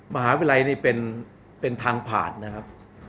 มหาวิทยาลัยนี่เป็นทางผ่านนะครับ